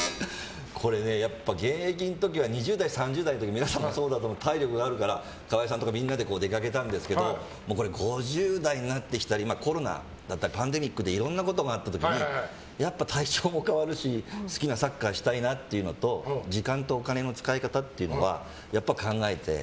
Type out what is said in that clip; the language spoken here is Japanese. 現役の時は２０代、３０代の時は皆さんもそうだと思うけど体力があるから川合さんとかみんなで出かけたんですけど５０代になってきたりコロナだったりパンデミックでいろんなことがあった時にやっぱり体調も変わるし好きなサッカーしたいなっていうのと時間とお金の使い方は考えて。